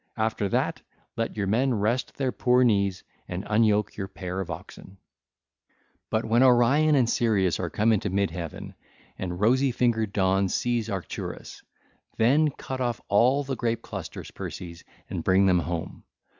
After that, let your men rest their poor knees and unyoke your pair of oxen. (ll. 609 617) But when Orion and Sirius are come into mid heaven, and rosy fingered Dawn sees Arcturus 1330, then cut off all the grape clusters, Perses, and bring them home.